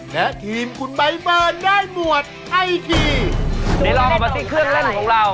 เดี๋ยวลองแบบละหวังที่เครื่องเล่นของเรา